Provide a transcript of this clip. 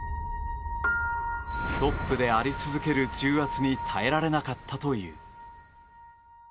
トップであり続ける重圧に耐えられなかったという。